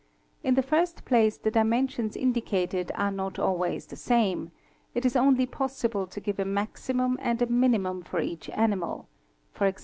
In the first place the dimensions indicated are not always the same; it is only possible to give a maximum and a minimum for each animal, e.g.